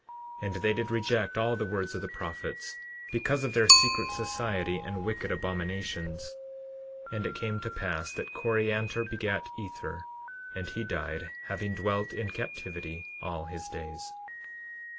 11:22 And they did reject all the words of the prophets, because of their secret society and wicked abominations. 11:23 And it came to pass that Coriantor begat Ether, and he died, having dwelt in captivity all his days.